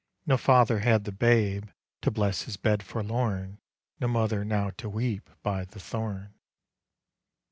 No father had the babe To bless his bed forlorn; No mother now to weep By the thorn.